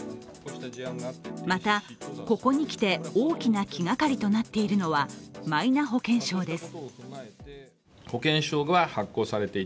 また、ここに来て大きな気がかりとなっているのはマイナ保険証です。